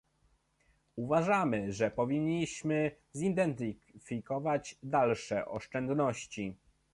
Uważamy, że powinniśmy zidentyfikować dalsze oszczędności